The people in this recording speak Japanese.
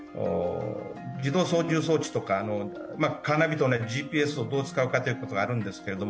自動操縦装置とか、ＧＰＳをどう使うかということがあるんですが